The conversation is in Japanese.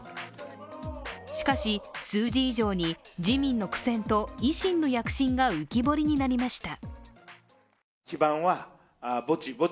しかし数字以上に自民の苦戦と維新の躍進が浮き彫りになりました。